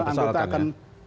oh itu yang persoalkannya